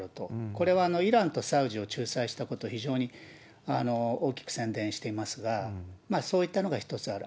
これはイランとサウジを仲裁したこと、非常に大きく宣伝していますが、そういったのが一つある。